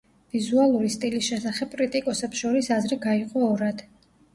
ვიზუალური სტილის შესახებ კრიტიკოსებს შორის აზრი გაიყო ორად.